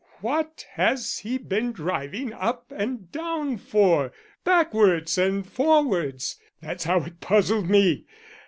What has he been driving up and down for backwards and forwards? That's how it puzzled me.